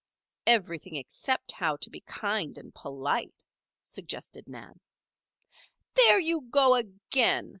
"Everything except how to be kind and polite," suggested Nan. "There you go again!"